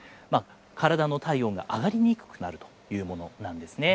体の体温が上がりにくくなるというものなんですね。